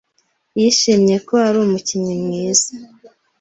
Yishimye ko ari umukinnyi mwiza.